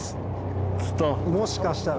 もしかしたら。